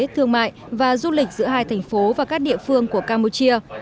thương mại và du lịch giữa hai thành phố và các địa phương của campuchia